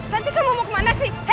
santi kamu mau kemana sih